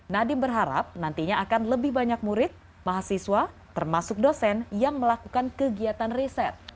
nadiem berharap nantinya akan lebih banyak murid mahasiswa termasuk dosen yang melakukan kegiatan riset